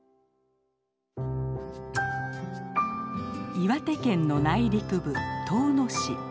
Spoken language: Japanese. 岩手県の内陸部遠野市。